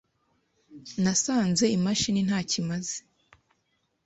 Nasanze imashini ntacyo imaze.